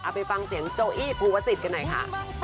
เอาไปฟังเสียงโจอี้ภูวะสิทธิ์กันหน่อยค่ะ